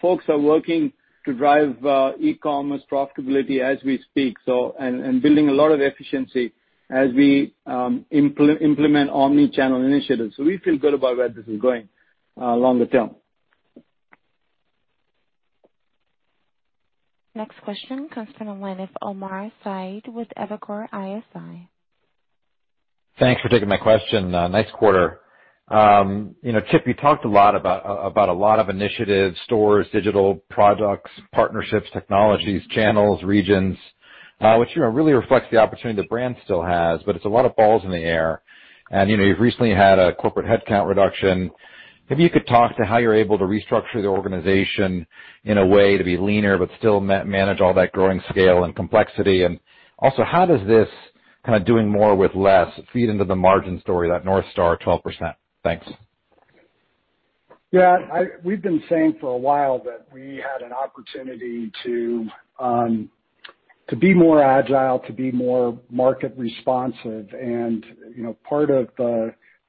Speaker 4: folks are working to drive e-commerce profitability as we speak, and building a lot of efficiency as we implement omni-channel initiatives. We feel good about where this is going longer term.
Speaker 1: Next question comes from the line of Omar Saad with Evercore ISI.
Speaker 8: Thanks for taking my question. Nice quarter. Chip, you talked a lot about a lot of initiatives, stores, digital products, partnerships, technologies, channels, regions, which really reflects the opportunity the brand still has, but it's a lot of balls in the air. You've recently had a corporate headcount reduction. Maybe you could talk to how you're able to restructure the organization in a way to be leaner but still manage all that growing scale and complexity. Also, how does this kind of doing more with less feed into the margin story, that North Star 12%? Thanks.
Speaker 3: Yeah. We've been saying for a while that we had an opportunity to be more agile, to be more market responsive.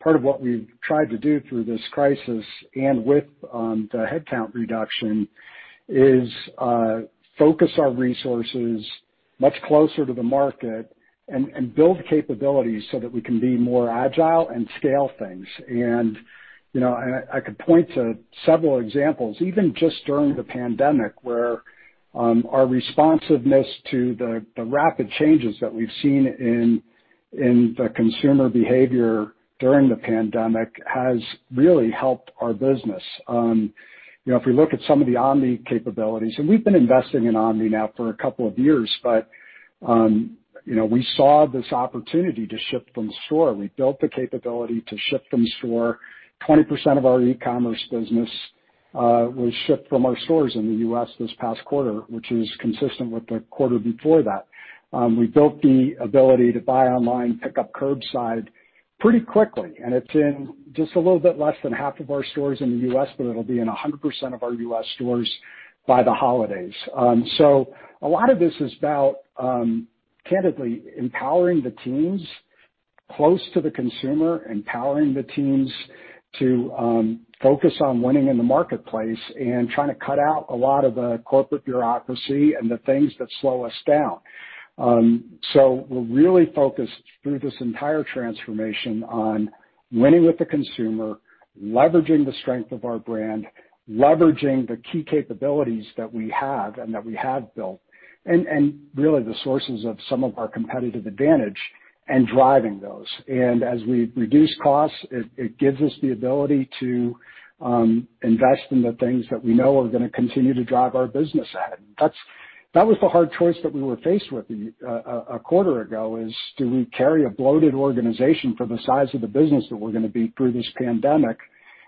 Speaker 3: Part of what we've tried to do through this crisis and with the headcount reduction is focus our resources much closer to the market and build capabilities so that we can be more agile and scale things. I could point to several examples, even just during the pandemic, where our responsiveness to the rapid changes that we've seen in the consumer behavior during the pandemic has really helped our business. If we look at some of the omni capabilities, and we've been investing in omni now for a couple of years, but we saw this opportunity to ship from store. We built the capability to ship from store. 20% of our e-commerce business was shipped from our stores in the U.S. this past quarter, which is consistent with the quarter before that. We built the ability to buy online, pick up curbside pretty quickly, and it's in just a little bit less than half of our stores in the U.S., but it'll be in 100% of our U.S. stores by the holidays. A lot of this is about, candidly, empowering the teams close to the consumer, empowering the teams to focus on winning in the marketplace and trying to cut out a lot of the corporate bureaucracy and the things that slow us down. We're really focused through this entire transformation on winning with the consumer, leveraging the strength of our brand, leveraging the key capabilities that we have and that we have built, and really the sources of some of our competitive advantage and driving those. As we reduce costs, it gives us the ability to invest in the things that we know are going to continue to drive our business ahead. That was the hard choice that we were faced with a quarter ago is, do we carry a bloated organization for the size of the business that we're going to be through this pandemic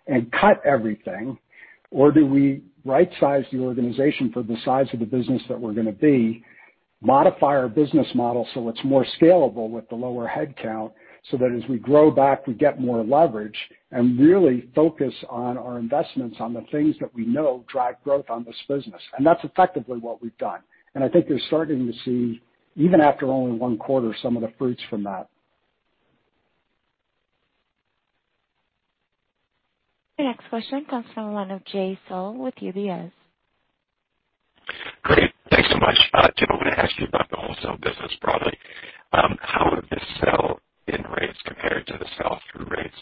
Speaker 3: and cut everything, or do we right size the organization for the size of the business that we're going to be? Modify our business model so it's more scalable with the lower headcount, so that as we grow back, we get more leverage and really focus on our investments on the things that we know drive growth on this business. That's effectively what we've done. I think you're starting to see, even after only one quarter, some of the fruits from that.
Speaker 1: The next question comes from the line of Jay Sole with UBS.
Speaker 9: Great. Thanks so much. Chip, I want to ask you about the wholesale business broadly. How have the sell-in rates compared to the sell-through rates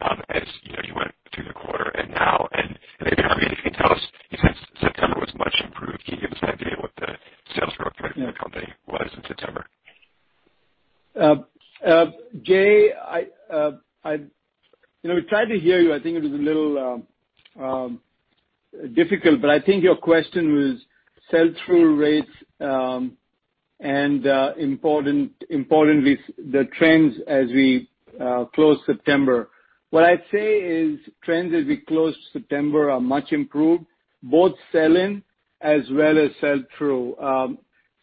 Speaker 9: as you went through the quarter and now? Maybe, Harmit, if you can tell us, you said September was much improved. Can you give us an idea of what the sales growth rate for the company was in September?
Speaker 4: Jay, we tried to hear you. I think it was a little difficult, but I think your question was sell-through rates and importantly, the trends as we close September. What I'd say is trends as we close September are much improved, both sell-in as well as sell-through.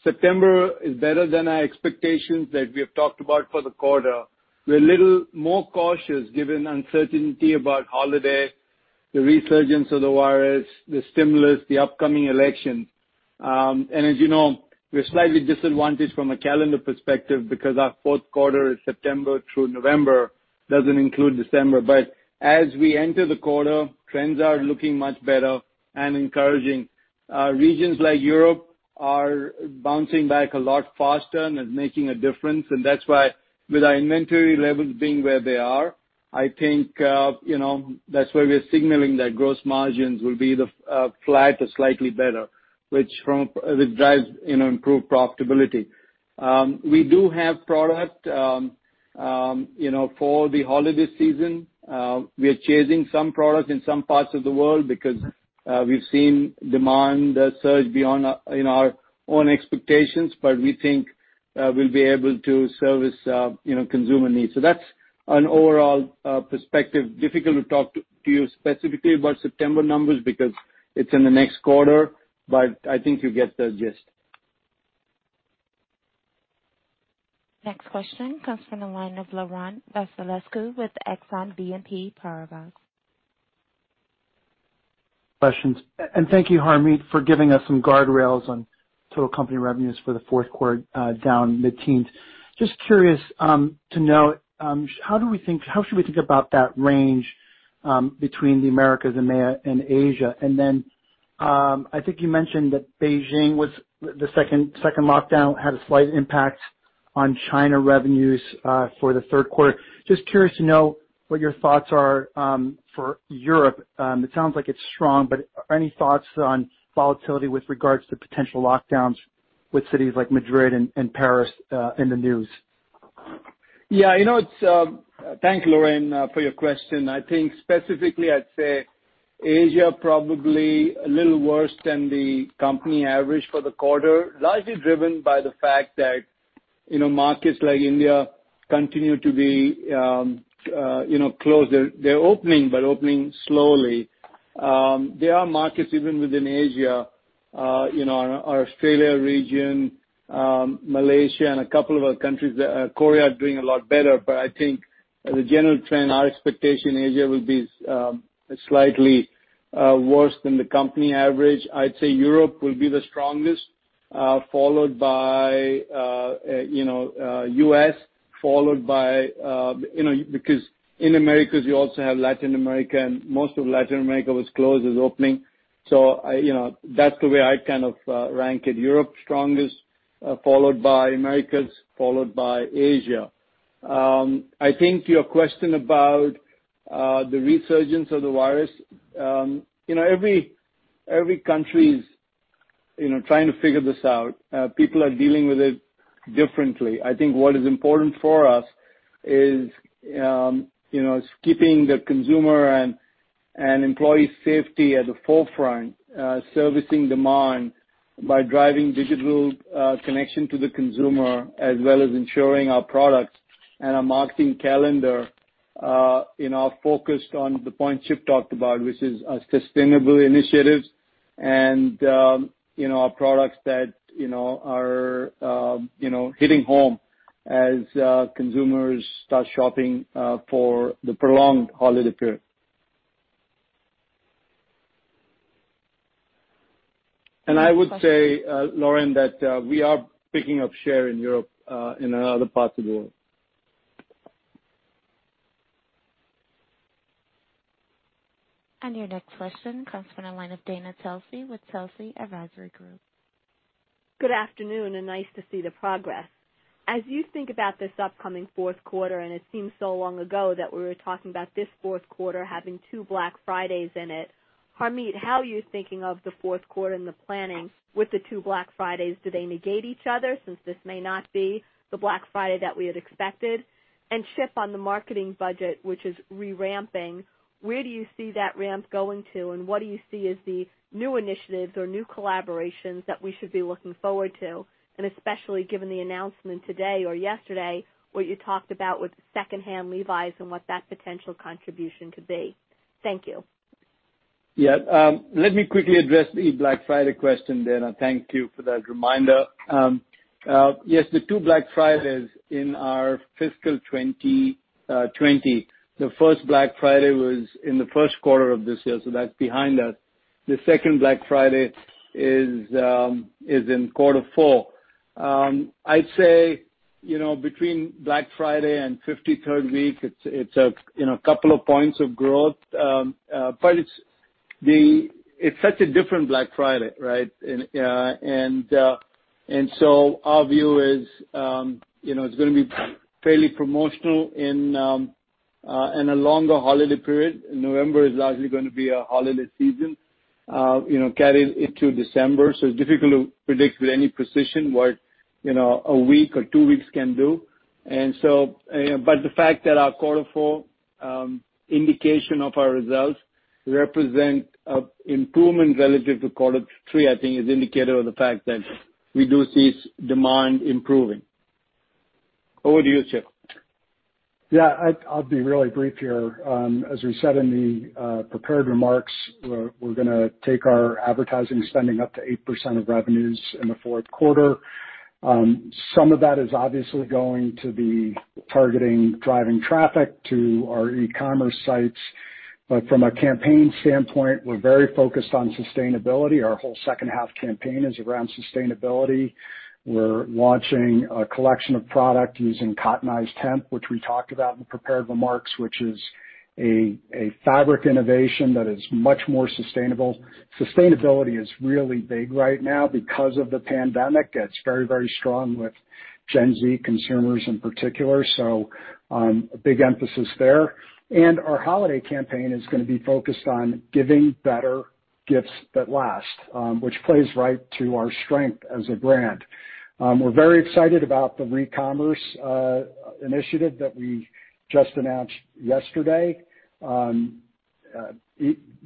Speaker 4: September is better than our expectations that we have talked about for the quarter. We're a little more cautious given uncertainty about holiday, the resurgence of the virus, the stimulus, the upcoming election. As you know, we're slightly disadvantaged from a calendar perspective because our fourth quarter is September through November, doesn't include December. As we enter the quarter, trends are looking much better and encouraging. Regions like Europe are bouncing back a lot faster and making a difference. That's why with our inventory levels being where they are, I think that's why we are signaling that gross margins will be flat or slightly better, which drives improved profitability. We do have product for the holiday season. We are chasing some products in some parts of the world because we've seen demand surge beyond our own expectations, but we think we'll be able to service consumer needs. That's an overall perspective. Difficult to talk to you specifically about September numbers because it's in the next quarter, but I think you get the gist.
Speaker 1: Next question comes from the line of Laurent Vasilescu with Exane BNP Paribas.
Speaker 10: Questions, thank you, Harmit, for giving us some guardrails on total company revenues for the fourth quarter down mid-teens. Just curious to know, how should we think about that range between the Americas and Asia? I think you mentioned that Beijing, the second lockdown had a slight impact on China revenues for the third quarter. Just curious to know what your thoughts are for Europe. It sounds like it's strong, but any thoughts on volatility with regards to potential lockdowns with cities like Madrid and Paris in the news?
Speaker 4: Thank, Laurent, for your question. I think specifically, I'd say Asia probably a little worse than the company average for the quarter, largely driven by the fact that markets like India continue to be closed. They're opening slowly. There are markets even within Asia, our Australia region, Malaysia, and a couple of other countries, Korea, are doing a lot better. I think the general trend, our expectation, Asia will be slightly worse than the company average. I'd say Europe will be the strongest, followed by U.S. because in Americas, you also have Latin America, and most of Latin America was closed. It's opening. That's the way I'd rank it. Europe strongest, followed by Americas, followed by Asia. I think to your question about the resurgence of the virus, every country is trying to figure this out. People are dealing with it differently. I think what is important for us is keeping the consumer and employee safety at the forefront, servicing demand by driving digital connection to the consumer, as well as ensuring our products and our marketing calendar are focused on the point Chip talked about, which is sustainable initiatives and our products that are hitting home as consumers start shopping for the prolonged holiday period. I would say, Laurent, that we are picking up share in Europe and other parts of the world.
Speaker 1: Your next question comes from the line of Dana Telsey with Telsey Advisory Group.
Speaker 11: Good afternoon. Nice to see the progress. As you think about this upcoming fourth quarter, it seems so long ago that we were talking about this fourth quarter having two Black Fridays in it. Harmit, how are you thinking of the fourth quarter and the planning with the two Black Fridays? Do they negate each other, since this may not be the Black Friday that we had expected? Chip, on the marketing budget, which is re-ramping, where do you see that ramp going to, and what do you see as the new initiatives or new collaborations that we should be looking forward to? Especially given the announcement today or yesterday, what you talked about with Levi's Secondhand and what that potential contribution could be. Thank you.
Speaker 4: Yeah. Let me quickly address the Black Friday question then. Thank you for that reminder. Yes, the two Black Fridays in our fiscal 2020. The first Black Friday was in the first quarter of this year, so that's behind us. The second Black Friday is in quarter four. I'd say, between Black Friday and 53rd week, it's a couple of points of growth. It's such a different Black Friday, right? Our view is, it's going to be fairly promotional in a longer holiday period. November is largely going to be a holiday season, carrying into December. It's difficult to predict with any precision what a week or two weeks can do. The fact that our quarter four indication of our results represent improvement relative to quarter three, I think is indicative of the fact that we do see demand improving. Over to you, Chip.
Speaker 3: Yeah, I'll be really brief here. As we said in the prepared remarks, we're going to take our advertising spending up to 8% of revenues in the fourth quarter. Some of that is obviously going to be targeting driving traffic to our e-commerce sites. From a campaign standpoint, we're very focused on sustainability. Our whole second half campaign is around sustainability. We're launching a collection of product using cottonized hemp, which we talked about in prepared remarks, which is a fabric innovation that is much more sustainable. Sustainability is really big right now because of the pandemic. It's very strong with Gen Z consumers in particular. A big emphasis there. Our holiday campaign is going to be focused on giving better gifts that last, which plays right to our strength as a brand. We're very excited about the recommerce initiative that we just announced yesterday. The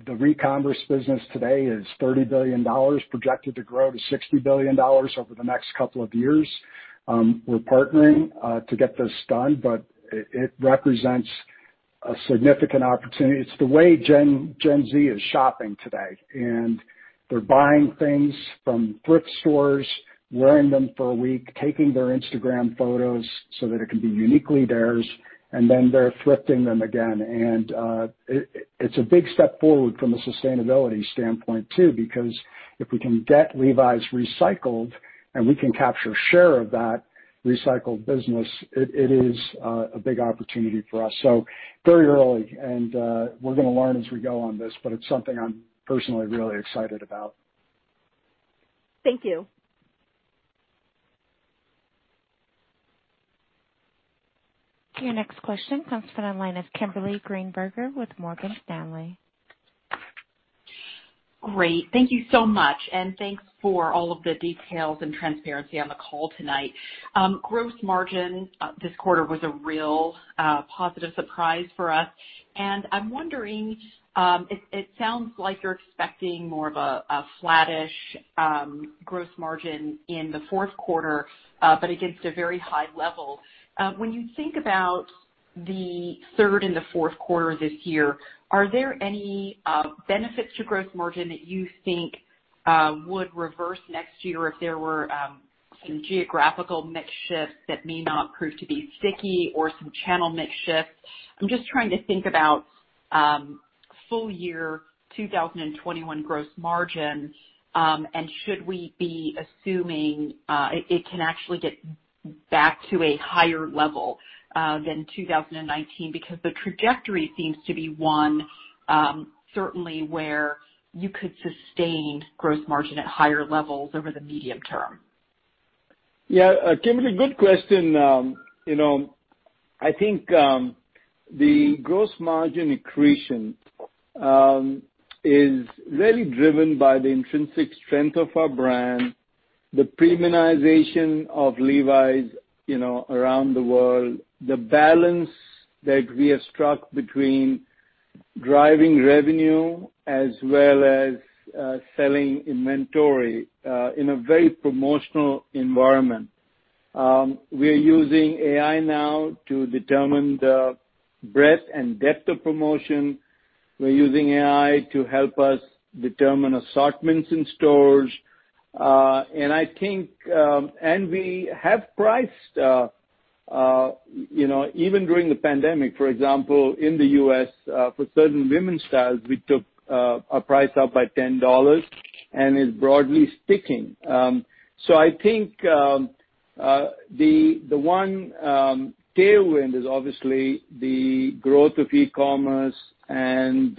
Speaker 3: recommerce business today is $30 billion, projected to grow to $60 billion over the next couple of years. We're partnering to get this done, but it represents a significant opportunity. It's the way Gen Z is shopping today, and they're buying things from thrift stores, wearing them for a week, taking their Instagram photos so that it can be uniquely theirs, and then they're thrifting them again. It's a big step forward from a sustainability standpoint, too, because if we can get Levi's recycled and we can capture share of that recycled business, it is a big opportunity for us. Very early, and we're going to learn as we go on this, but it's something I'm personally really excited about.
Speaker 11: Thank you.
Speaker 1: Your next question comes from the line of Kimberly Greenberger with Morgan Stanley.
Speaker 12: Great. Thank you so much. Thanks for all of the details and transparency on the call tonight. Gross margin this quarter was a real positive surprise for us. I'm wondering, it sounds like you're expecting more of a flattish gross margin in the fourth quarter, but against a very high level. When you think about the third and the fourth quarter this year, are there any benefits to gross margin that you think would reverse next year if there were some geographical mix shift that may not prove to be sticky or some channel mix shift? I'm just trying to think about full year 2021 gross margin. Should we be assuming it can actually get back to a higher level than 2019? The trajectory seems to be one certainly where you could sustain gross margin at higher levels over the medium term.
Speaker 4: Yeah. Kimberly, good question. I think the gross margin accretion is really driven by the intrinsic strength of our brand, the premiumization of Levi's around the world, the balance that we have struck between driving revenue as well as selling inventory in a very promotional environment. We are using AI now to determine the breadth and depth of promotion. We're using AI to help us determine assortments in stores. We have priced even during the pandemic. For example, in the U.S., for certain women's styles, we took our price up by $10. It's broadly sticking. I think the one tailwind is obviously the growth of e-commerce and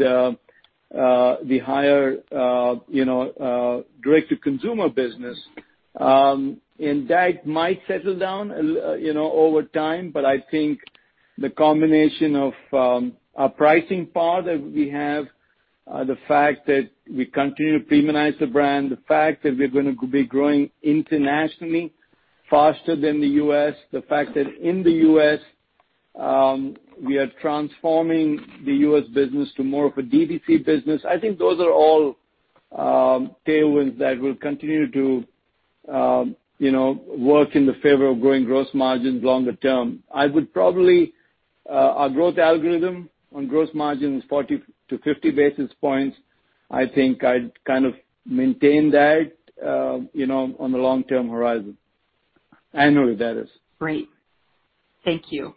Speaker 4: the higher direct-to-consumer business. That might settle down over time, but I think the combination of our pricing power that we have, the fact that we continue to premiumize the brand, the fact that we're going to be growing internationally faster than the U.S., the fact that in the U.S., we are transforming the U.S. business to more of a D2C business. I think those are all tailwinds that will continue to work in the favor of growing gross margins longer term. Our growth algorithm on gross margin is 40-50 basis points. I think I'd kind of maintain that on the long-term horizon. Annually, that is.
Speaker 12: Great. Thank you.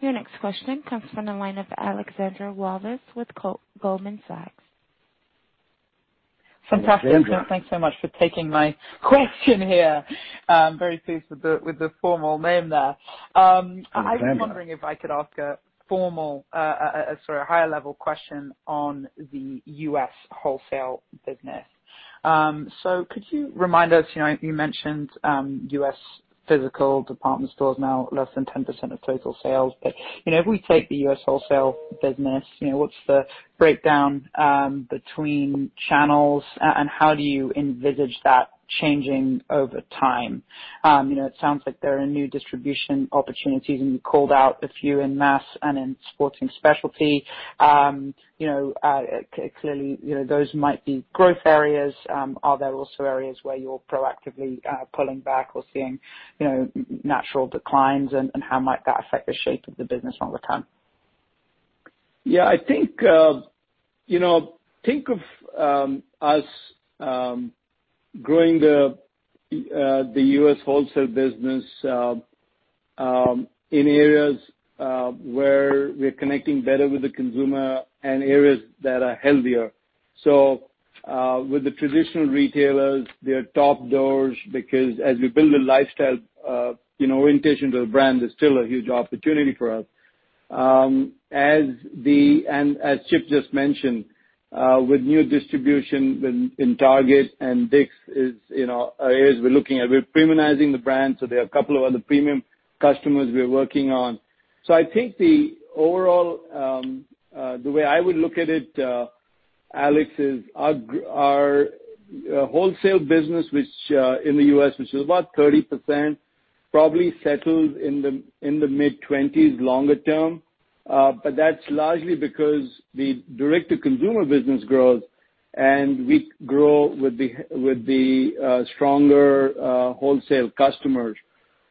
Speaker 1: Your next question comes from the line of Alexandra Walvis with Goldman Sachs.
Speaker 3: Alexandra.
Speaker 13: Fantastic. Thanks so much for taking my question here. Very pleased with the formal name there.
Speaker 3: Alexandra.
Speaker 13: I was wondering if I could ask a higher-level question on the U.S. wholesale business. Could you remind us, you mentioned, U.S. physical department stores now less than 10% of total sales. If we take the U.S. wholesale business, what's the breakdown between channels, and how do you envisage that changing over time? It sounds like there are new distribution opportunities, and you called out a few in mass and in sporting specialty. Clearly, those might be growth areas. Are there also areas where you're proactively pulling back or seeing natural declines, and how might that affect the shape of the business over time?
Speaker 4: Yeah. Think of us growing the U.S. wholesale business in areas where we're connecting better with the consumer and areas that are healthier. With the traditional retailers, they are top doors because as we build a lifestyle orientation to the brand, there's still a huge opportunity for us. As Chip just mentioned, with new distribution in Target and Dick's is areas we're looking at. We're premiumizing the brand, there are a couple of other premium customers we are working on. I think the way I would look at it, Alex, is our wholesale business in the U.S., which is about 30%, probably settles in the mid-20s longer term. That's largely because the direct-to-consumer business grows, and we grow with the stronger wholesale customers.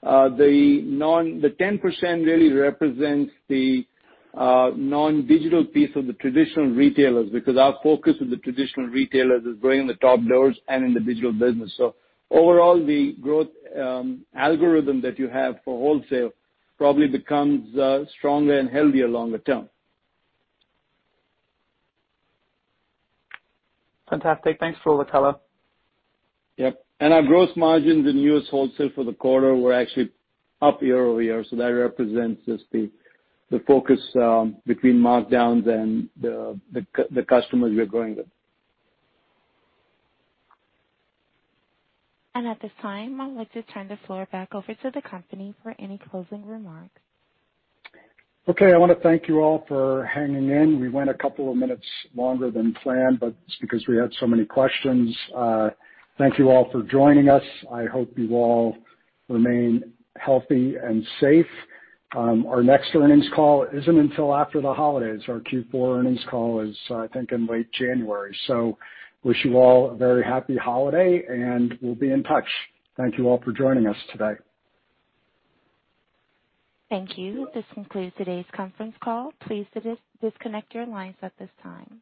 Speaker 4: The 10% really represents the non-digital piece of the traditional retailers because our focus on the traditional retailers is growing the top doors and in the digital business. Overall, the growth algorithm that you have for wholesale probably becomes stronger and healthier longer term.
Speaker 13: Fantastic. Thanks for all the color.
Speaker 4: Yep. Our gross margins in U.S. wholesale for the quarter were actually up year-over-year. That represents just the focus between markdowns and the customers we are growing with.
Speaker 1: At this time, I would just turn the floor back over to the company for any closing remarks.
Speaker 3: Okay. I want to thank you all for hanging in. We went a couple of minutes longer than planned, but it's because we had so many questions. Thank you all for joining us. I hope you all remain healthy and safe. Our next earnings call isn't until after the holidays. Our Q4 earnings call is, I think, in late January. Wish you all a very happy holiday, and we'll be in touch. Thank you all for joining us today.
Speaker 1: Thank you. This concludes today's conference call. Please disconnect your lines at this time.